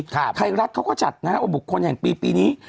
ไทยรัฐเขาก็จัดนะฮะว่าบุคคลแห่งปีปีนี้